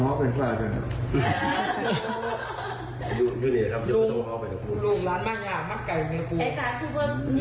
หลวงปู่ท่านจะบอกว่ายังไงเนี่ยเดี๋ยวท่านลองฟังดูนะฮะ